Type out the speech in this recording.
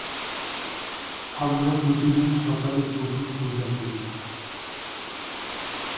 আমরা প্রতিদিন সকালে প্রভুর পূজা করি।